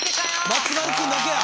松丸君だけや。